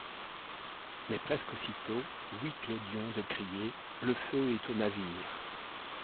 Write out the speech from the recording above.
Mais, presque aussitôt, Louis Clodion de crier: « Le feu est au navire!...